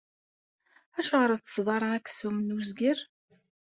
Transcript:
Acuɣer ur tsetteḍ ara aksum n uzger?